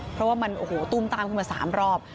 เพราะว่ามันโอ้โหตุ้มตามขึ้นมา๓รอบ